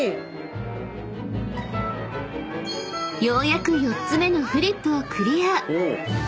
［ようやく４つ目のフリップをクリア］